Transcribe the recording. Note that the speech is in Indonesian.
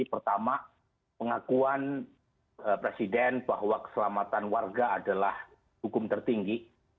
pertama pengakuan presiden bahwa keselamatan warga adalah hukum tertinggi